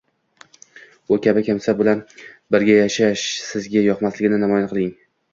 u kabi kimsa bilan birga yashash sizga yoqmasligini namoyish qiling.